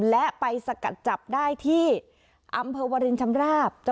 และไปสกัดจับได้ที่อำเภอวรินชำราบ